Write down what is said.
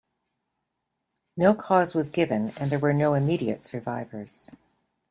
No cause was given and there were no immediate survivors.